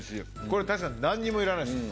これ確かに何にもいらないです。